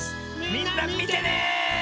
みんなみてね！